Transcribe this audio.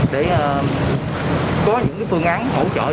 để có những phương án hỗ trợ cho